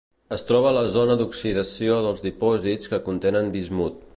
Es troba a la zona d'oxidació dels dipòsits que contenen bismut.